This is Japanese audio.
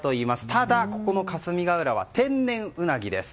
ただ、この霞ヶ浦は天然ウナギです。